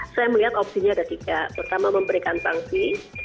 saya melihat opsinya ada tiga pertama memberikan sanksi